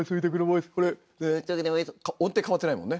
音程変わってないもんね。